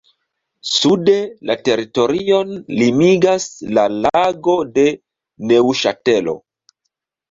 Sude la teritorion limigas la "Lago de Neŭŝatelo".